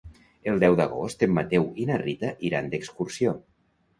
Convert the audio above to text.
El deu d'agost en Mateu i na Rita iran d'excursió.